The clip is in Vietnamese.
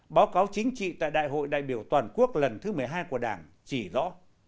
báo cáo chính trị tại đại hội đại biểu toàn quốc lần thứ một mươi hai của đảng chỉ rõ